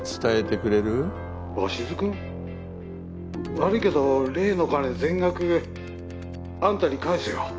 悪いけど例の金全額あんたに返すよ。